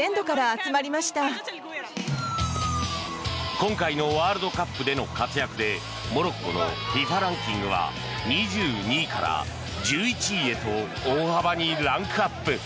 今回のワールドカップでの活躍でモロッコのＦＩＦＡランキングは２２位から１１位へと大幅にランクアップ。